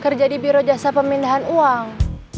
kerja di biro jasa pemindahan uang